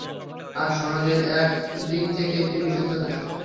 আর সনদের দিক থেকে এটি বিশুদ্ধতর।